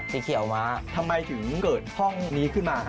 ทำไมถึงเกิดห้องนี้ขึ้นมา